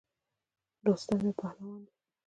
رستم یو پهلوان دی.